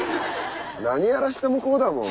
何やらしてもこうだもん。